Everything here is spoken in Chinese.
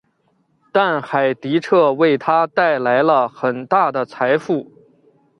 但海迪彻为他带来了很大的财富。